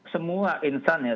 semua insan ya